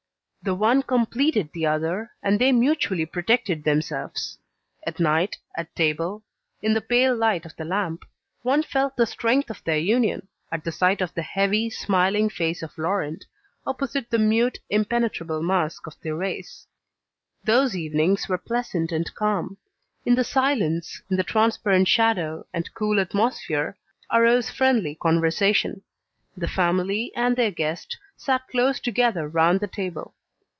The one completed the other, and they mutually protected themselves. At night, at table, in the pale light of the lamp, one felt the strength of their union, at the sight of the heavy, smiling face of Laurent, opposite the mute, impenetrable mask of Thérèse. Those evenings were pleasant and calm. In the silence, in the transparent shadow and cool atmosphere, arose friendly conversation. The family and their guest sat close together round the table.